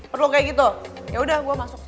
perlu kayak gitu yaudah gue masuk